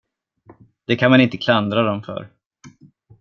Det kan man inte klandra dem för.